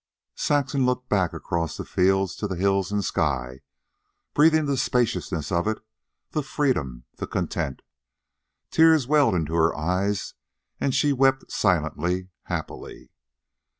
Saxon looked back across the fields to the hills and sky, breathing the spaciousness of it, the freedom, the content. Tears welled into her eyes and she wept silently, happily.